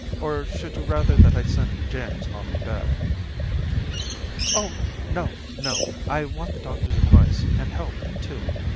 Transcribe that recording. Or should you rather that I sent James off to bed?" "Oh, no, no! I want the doctor's advice and help, too.